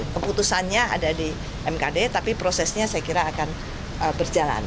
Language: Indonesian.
keputusannya ada di mkd tapi prosesnya saya kira akan berjalan